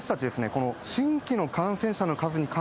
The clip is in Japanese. この。